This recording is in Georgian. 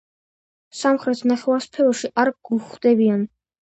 სამხრეთ ნახევარსფეროში არ გვხვდებიან.